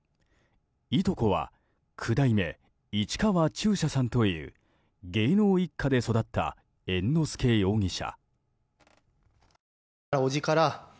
いとこは九代目市川中車さんという芸能一家で育った猿之助容疑者。